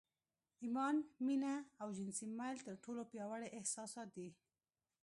ايمان، مينه او جنسي ميل تر ټولو پياوړي احساسات دي.